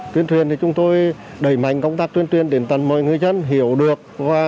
tuyên truyền thì chúng tôi đẩy mạnh công tác tuyên truyền đến tận mọi người dân hiểu được